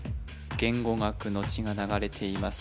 言語学の血が流れています